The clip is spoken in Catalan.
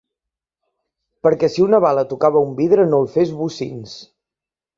Perquè si una bala tocava un vidre no el fes bocins.